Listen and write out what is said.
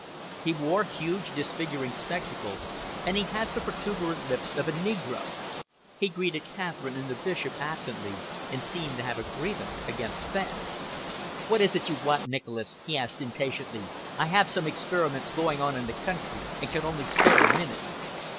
He wore huge, disfiguring spectacles, and he had the protuberant lips of a negro. He greeted Catherine and the Bishop absently and seemed to have a grievance against Fenn. "What is it you want, Nicholas?" he asked impatiently. "I have some experiments going on in the country and can only spare a minute."